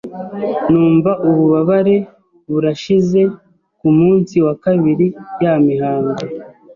numva ububabare burashize ku munsi wa kabiri ya mihango